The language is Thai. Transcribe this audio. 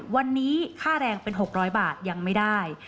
วันนี้ค่าแรงเป็น๖๐๐บาทยังไม่ได้